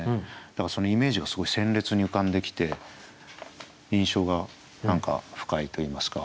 だからそのイメージがすごい鮮烈に浮かんできて印象が何か深いといいますか。